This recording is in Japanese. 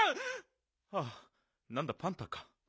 あっなんだパンタか。